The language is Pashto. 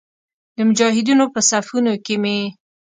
د مجاهدینو په صفونو کې مې.